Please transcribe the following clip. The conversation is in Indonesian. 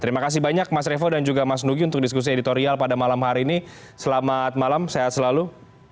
terima kasih banyak mas revo dan juga mas nugi untuk diskusi editorial pada malam hari ini selamat malam sehat selalu